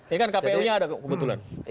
ini kan kpu nya ada kok kebetulan